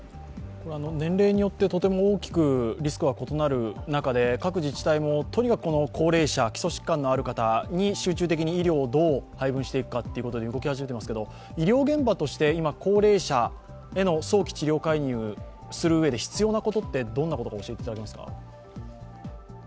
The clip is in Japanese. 年齢によって、とても大きくリスクが異なる中で各自治体もとにかく高齢者、基礎疾患のある方に集中的に医療をどう配分していくかということで動き始めていますけど医療現場として今、高齢者への早期治療介入するうえで必要なことはどんなことがありますか？